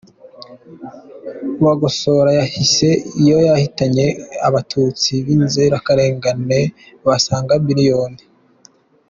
Bagosora yayise, iyo yahitanye abatutsi b’inzirakarengane basaga miliyoni.